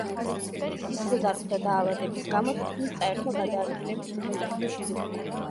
სისხლძარღვთა დაავადების გამო თითქმის წაერთვა გადაადგილების უნარი.